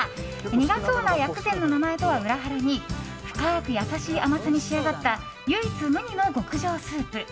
苦そうな薬膳の名前とは裏腹に深く優しい甘さに仕上がった唯一無二の極上スープ。